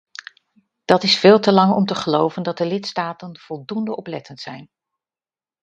Dat is veel te lang om te geloven dat de lidstaten voldoende oplettend zijn.